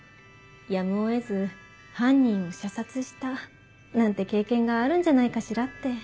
やむを得ず犯人を射殺したなんて経験があるんじゃないかしらって。